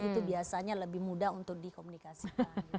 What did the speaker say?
itu biasanya lebih mudah untuk dikomunikasikan